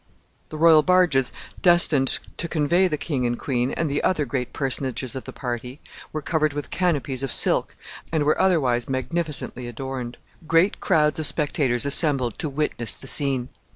The royal barges destined to convey the king and queen, and the other great personages of the party, were covered with canopies of silk and were otherwise magnificently adorned. Great crowds of spectators assembled to witness the scene.